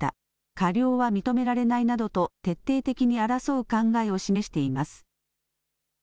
過料は認められないなどと、徹底的に争う考えを示しています。